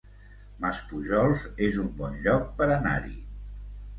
Maspujols es un bon lloc per anar-hi